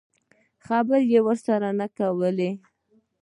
خبرې یې ورسره نه کولې.